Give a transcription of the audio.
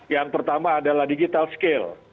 yang pertama adalah digital skill